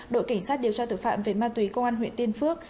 đội cảnh sát điều tra tội phạm về ma túy công an huyện tiên phước